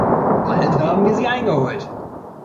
Bald haben wir sie eingeholt.